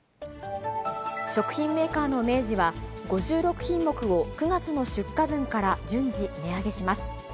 食品メーカーの明治は、５６品目を９月の出荷分から順次、値上げします。